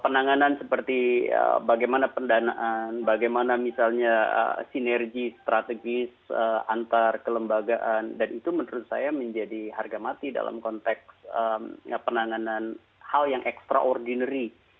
penanganan seperti bagaimana pendanaan bagaimana misalnya sinergi strategis antar kelembagaan dan itu menurut saya menjadi harga mati dalam konteks penanganan hal yang extraordinary